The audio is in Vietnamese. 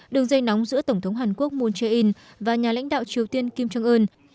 đường dây nóng giữa tổng thống hàn quốc moon jae in và nhà lãnh đạo triều tiên kim jong un